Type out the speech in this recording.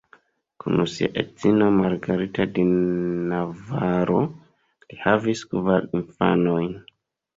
Kun sia edzino Margarita de Navaro li havis kvar infanojn.